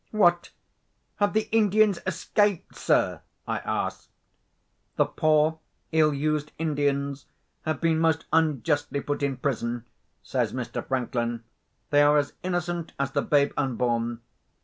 "What! have the Indians escaped, sir?" I asked. "The poor ill used Indians have been most unjustly put in prison," says Mr. Franklin. "They are as innocent as the babe unborn.